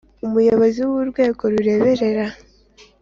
Umuyobozi w urwego rureberera